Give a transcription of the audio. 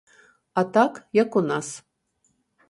А так, як у нас.